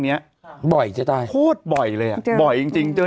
มันติดคุกออกไปออกมาได้สองเดือน